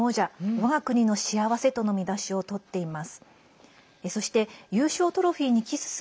我が国の幸せ」との見出しを取っています。